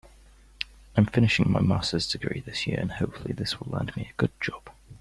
I'm finishing my masters degree this year and hopefully this will help me land a good job.